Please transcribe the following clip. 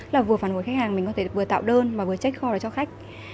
là vừa phản hồi khách hàng mình có thể vừa tạo đơn và vừa check kho cho khách